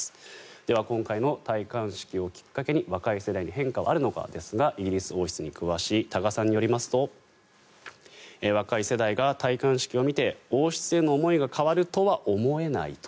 では今回の戴冠式をきっかけに若い世代に変化はあるのかですがイギリス王室に詳しい多賀さんによりますと若い世代が戴冠式を見て王室への思いが変わるとは思えないと。